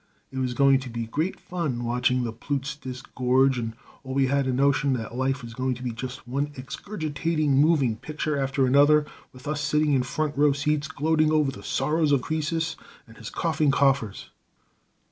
It was going to be great fun watching the Plutes disgorge, and we all had a notion that life was going to be just one exgurgitating moving picture after another, with us sitting in front row seats gloating over the Sorrows of Croesus and his coughing coffers.